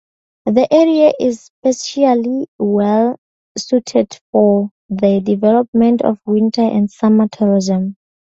The area is especially well suited for the development of winter and summer tourism.